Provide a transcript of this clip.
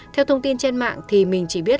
theo thông tin trên mạng thì mình chỉ biết